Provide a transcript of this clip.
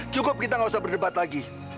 cukup kita gak usah berdebat lagi